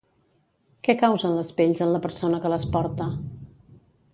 Què causen les pells en la persona que les porta?